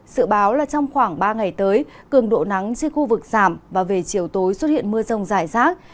sự báo là trong khoảng ba ngày tới cường độ nắng trên khu vực giảm và về chiều tối xuất hiện mưa rông rải rác